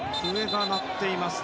笛が鳴っています。